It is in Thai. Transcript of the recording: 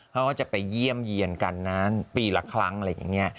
เขาก็จะไปเยี่ยมเยี่ยนกันนานปีละครั้งอะไรอย่างนี้